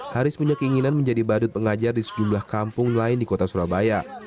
haris punya keinginan menjadi badut pengajar di sejumlah kampung lain di kota surabaya